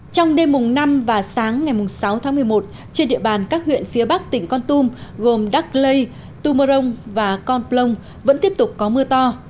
trong đêm mùng năm và sáng ngày mùng sáu tháng một mươi một trên địa bàn các huyện phía bắc tỉnh con tum gồm đắk lê tù mơ rông và con plông vẫn tiếp tục có mưa to